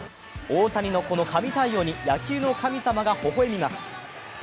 大谷のこの神対応に野球の神様がほほ笑みます。